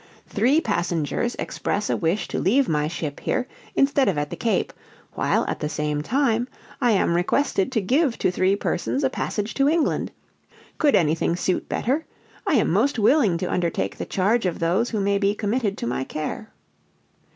"Three passengers express a wish to leave my ship here, instead of at the Cape, while, at the same time, I am requested to give to three persons a passage to England. "Could anything suit better? I am most willing to undertake the charge of those who may be committed to my care.